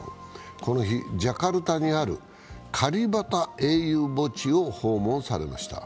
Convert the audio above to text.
この日、ジャカルタにあるカリバタ英雄墓地を訪問されました。